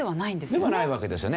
ではないわけですよね。